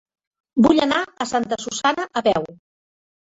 Vull anar a Santa Susanna a peu.